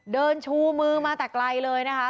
เดินชูมือมาแต่ไกลเลยนะคะ